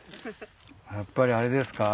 やっぱりあれですか？